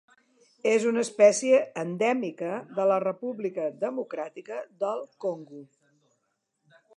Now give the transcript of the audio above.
És una espècie endèmica de la República Democràtica del Congo.